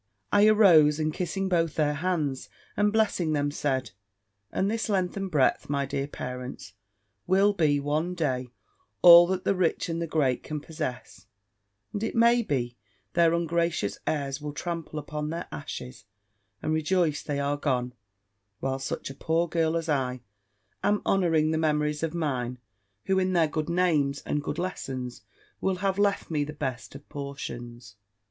I arose, and kissing both their hands, and blessing them, said, "And this length and breadth, my dear parents, will be, one day, all that the rich and the great can possess; and, it may be, their ungracious heirs will trample upon their ashes, and rejoice they are gone: while such a poor girl as I, am honouring the memories of mine, who, in their good names, and good lessons, will have left me the best of portions."